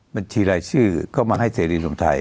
บัญชีรายชื่อก็มาให้เสรีรวมไทย